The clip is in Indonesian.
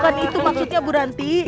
bukan itu maksudnya bu ranti